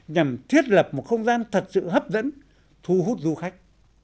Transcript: nhằm thiết lập một không gian thật sự hấp dẫn thu hút du khách